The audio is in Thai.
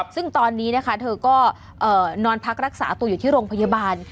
ซึ่งตอนนี้นะคะเธอก็นอนพักรักษาตัวอยู่ที่โรงพยาบาล